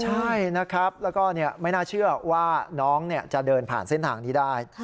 ใช่นะครับแล้วก็ไม่น่าเชื่อว่าน้องจะเดินผ่านเส้นทางนี้ได้